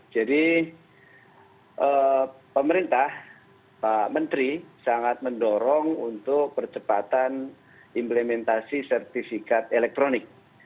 jadi pemerintah pak menteri sangat mendorong untuk percepatan implementasi sertifikat elektronik